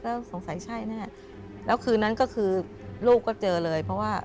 แล้วสงสัยใช่แน่แล้วคืนนั้นก็คือลูกก็เจอเลยเพราะว่า